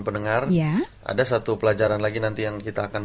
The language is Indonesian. mari berjalan ke sion